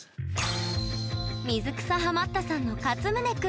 水草ハマったさんのかつむね君。